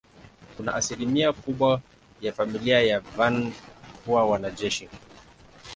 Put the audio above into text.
Kuna asilimia kubwa ya familia ya Van kuwa wanajeshi.